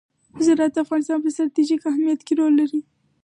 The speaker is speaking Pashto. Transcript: زراعت د افغانستان په ستراتیژیک اهمیت کې رول لري.